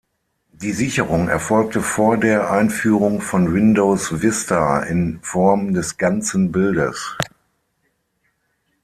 Die Sicherung erfolgte vor der Einführung von Windows Vista in Form des ganzen Bildes.